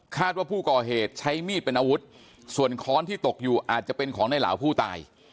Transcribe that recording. ว่าผู้ก่อเหตุใช้มีดเป็นอาวุธส่วนค้อนที่ตกอยู่อาจจะเป็นของในเหลาผู้ตาย